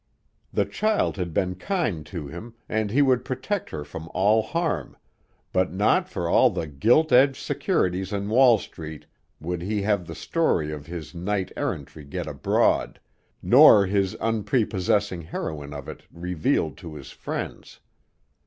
The child had been kind to him, and he would protect her from all harm, but not for all the gilt edged securities in Wall Street would he have the story of his knight errantry get abroad, nor the unprepossessing heroine of it revealed to his friends.